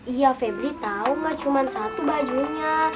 iya febri tahu nggak cuma satu bajunya